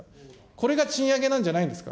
これが賃上げなんじゃないですか。